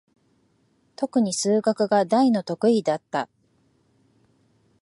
とくに数学が大の得意だった。